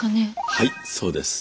はいそうです。